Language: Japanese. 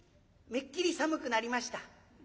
めっきり寒くなりました。